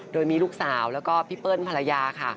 โดยมีลูกสาวแล้วก็พี่เปิ้ลภรรยาค่ะ